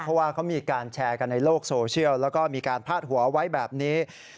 เพราะว่าเขามีการแชร์กันในโลกโซเชียลแล้วก็มีการพาดหัวไว้แบบนี้